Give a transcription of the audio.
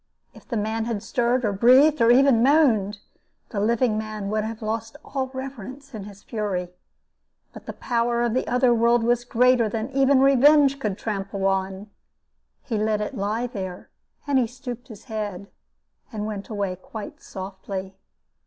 If the man had stirred, or breathed, or even moaned, the living man would have lost all reverence in his fury. But the power of the other world was greater than even revenge could trample on. He let it lie there, and he stooped his head, and went away quite softly.